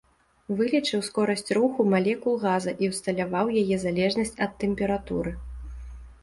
Вылічыў скорасць руху малекул газа і ўсталяваў яе залежнасць ад тэмпературы.